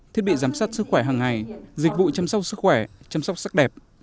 thiết bị giám sát sức khỏe hàng ngày dịch vụ chăm sóc sức khỏe chăm sóc sắc đẹp